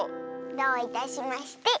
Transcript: どういたしまして。